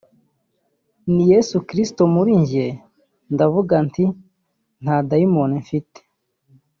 ni Yesu Kristo muri njye ndavuga nti nta Dayimoni mfite